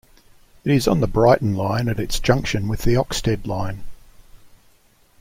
It is on the Brighton Line at its junction with the Oxted Line.